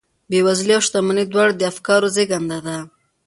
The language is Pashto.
بېوزلي او شتمني دواړې د افکارو زېږنده دي